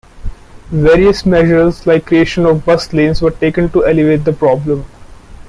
Various measures like creation of bus lanes were taken to alleviate the problem.